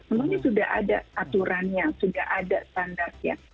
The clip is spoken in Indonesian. semuanya sudah ada aturannya sudah ada standarnya